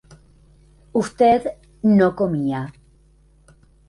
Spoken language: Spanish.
usted no comía